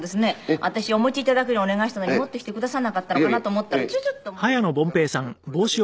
私お持ち頂くようにお願いしたのに持ってきてくださらなかったのかなと思ったらちょちょっとお持ちになって。